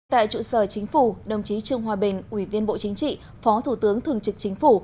tại trụ sở chính phủ đồng chí trương hòa bình ủy viên bộ chính trị phó thủ tướng thường trực chính phủ